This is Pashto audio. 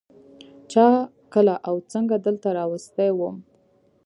چا کله او څنگه دلته راوستى وم.